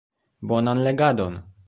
Bonan legadon!